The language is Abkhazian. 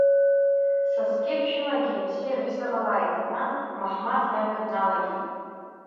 Сасгьы аԥшәымагьы абзиара шәзыҟалааит, — иҳәан, Маҳмаҭ иажәа дналагеит.